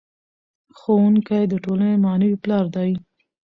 ښوونکی د ټولنې معنوي پلار دی.